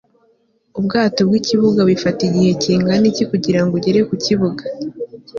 ubwato bwikibuga bifata igihe kingana iki kugirango ugere kukibuga